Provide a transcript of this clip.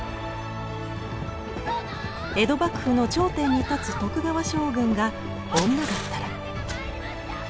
江戸幕府の頂点に立つ徳川将軍が女だったら。